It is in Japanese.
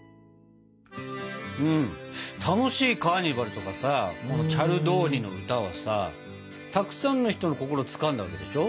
楽しいカーニバルとかさチャルドーニの歌はさたくさんの人の心をつかんだわけでしょ？